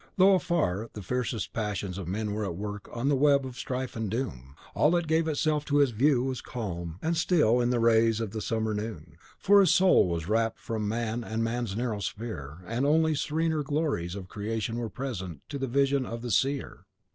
Though afar, the fiercest passions of men were at work on the web of strife and doom, all that gave itself to his view was calm and still in the rays of the summer moon, for his soul was wrapped from man and man's narrow sphere, and only the serener glories of creation were present to the vision of the seer.